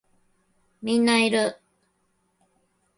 みんないる